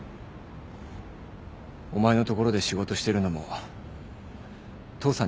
お前のところで仕事してるのも父さんに倣ってるだけだ。